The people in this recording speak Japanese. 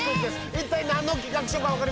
一体何の企画書か分かりますか？